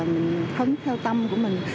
mình khấn theo tâm của mình